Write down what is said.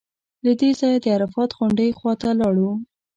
له دې ځایه د عرفات غونډۍ خوا ته لاړو.